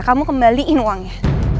kamu kembaliin uangnya